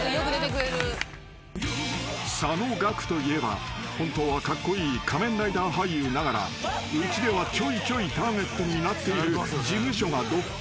［佐野岳といえば本当はカッコイイ仮面ライダー俳優ながらうちではちょいちょいターゲットになっている］